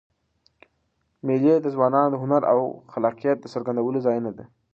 مېلې د ځوانانو د هنر او خلاقیت څرګندولو ځایونه دي.